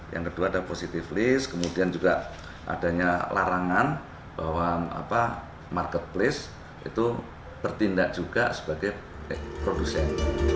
yang kedua ada positive list kemudian juga adanya larangan bahwa marketplace itu bertindak juga sebagai produsen